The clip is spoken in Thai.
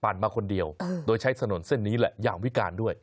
มาคนเดียวโดยใช้ถนนเส้นนี้แหละอย่างวิการด้วย